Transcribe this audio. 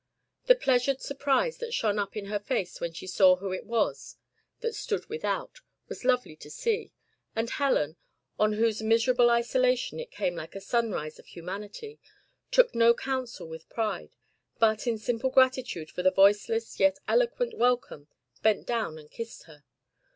The pleasured surprise that shone up in her face when she saw who it was that stood without, was lovely to see, and Helen, on whose miserable isolation it came like a sunrise of humanity, took no counsel with pride, but, in simple gratitude for the voiceless yet eloquent welcome, bent down and kissed her.